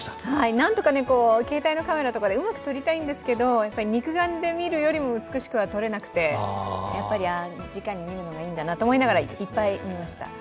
なんとか携帯のカメラでうまく撮りたいんですけど肉眼で見るよりも美しくは撮れなくて、直に見るのもいいんだなと思いながらいっぱい見ました。